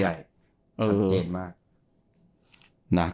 ใช่ค่อนข้างเก่งมาก